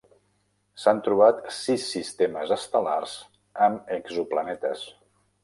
S'han trobat sis sistemes estel·lars amb exoplanetes.